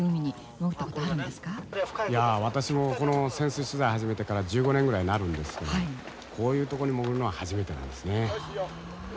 いや私も潜水取材始めてから１５年ぐらいになるんですけどこういうとこに潜るのは初めてなんですね。